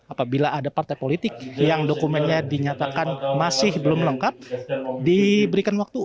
apabila ada partai politik yang dokumennya dinyatakan masih belum lengkap diberikan waktu